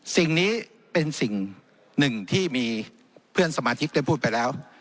สิ่งนี้เป็นสิ่งหนึ่งที่มีเพื่อนสมาชิกได้พูดไปแล้ว